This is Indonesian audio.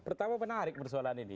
pertama menarik persoalan ini